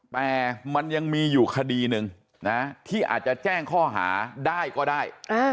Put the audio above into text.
แต่มันยังมีอยู่คดีหนึ่งนะที่อาจจะแจ้งข้อหาได้ก็ได้